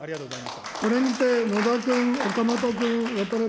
これにて野田君、岡本君、渡辺君。